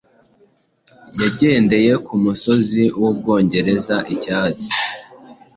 Yagendeye kumusozi wUbwongereza icyatsi?